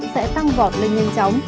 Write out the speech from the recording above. sẽ tăng vọt lên nhanh chóng